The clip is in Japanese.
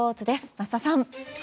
桝田さん。